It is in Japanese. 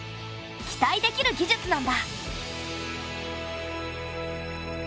期待できる技術なんだ。